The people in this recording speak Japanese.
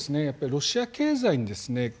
やっぱりロシア経済にですね